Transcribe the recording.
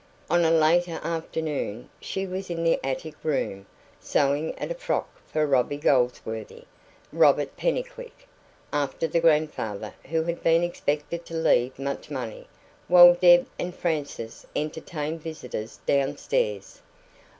On a later afternoon she was in the attic room, sewing at a frock for Robbie Goldsworthy Robert Pennycuick, after the grandfather who had been expected to leave much money while Deb and Frances entertained visitors downstairs.